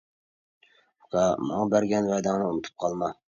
ئۇكا، ماڭا بەرگەن ۋەدەڭنى ئۇنتۇپ قالما!